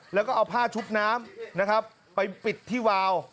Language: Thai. แล้วก็เอาผ้าชุบน้ำนะครับไปปิดที่วาว